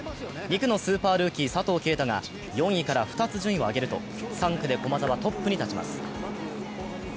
２区のスーパールーキー・佐藤圭汰が４位から２つ順位を上げると、３区で駒沢、トップに立ちます。